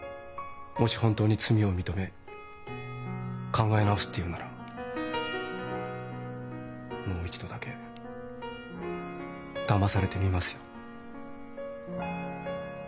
もし本当に罪を認め考え直すって言うんならもう一度だけだまされてみますよ。